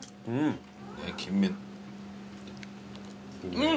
うん！